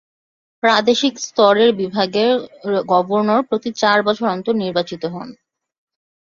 প্রাদেশিক স্তরের বিভাগের গভর্নর প্রতি চার বছর অন্তর নির্বাচিত হন।